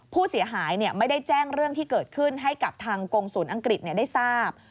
ผู้เสียหายไม่ได้แจ้งเรื่องที่เกิดขึ้นให้กับทางกงศูนย์อังกฤษได้ทราบ